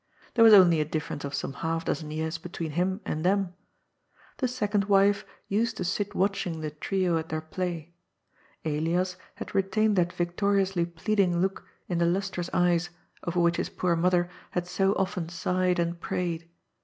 There was only a difference of some half dozen years between him and them. The second wife used to sit watching the trio at their play. Elias had retained that yictoriously pleading look in the lustrous eyes over which his poor mother had so often sighed and prayed.